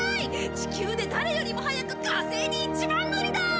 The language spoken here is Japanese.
地球で誰よりも早く火星に一番乗りだ！